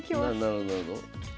なるほどなるほど。